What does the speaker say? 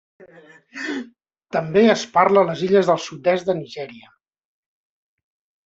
També es parla a les illes del sud-est de Nigèria.